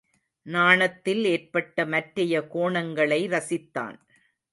நாணத்தில் ஏற்பட்ட மற்றைய கோணங்களை ரசித்தான்.